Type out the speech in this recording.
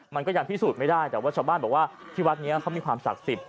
มันก็ยังพิสูจน์ไม่ได้แต่ว่าชาวบ้านบอกว่าที่วัดนี้เขามีความศักดิ์สิทธิ